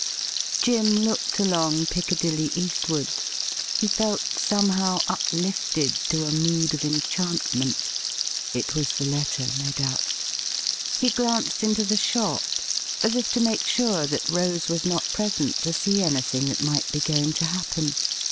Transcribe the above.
Jim looked along Piccadilly eastward. He felt somehow uplifted to a mood of enchantment. It was the letter, no doubt. He glanced into the shop as if to make sure that Rose was not present to see an3rthing that might be going to happen.